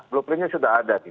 blue plan nya sudah ada